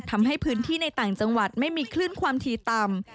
ทำให้พื้นที่ในต่างจังหวัดไม่มีคลื่นความถี่ต่ำ